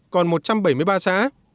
còn một trăm bảy mươi ba xã